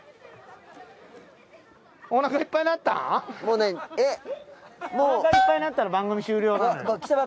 お腹いっぱいになったら番組終了なのよ。